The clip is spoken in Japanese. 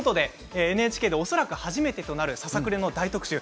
ＮＨＫで恐らく初めてとなるささくれの大特集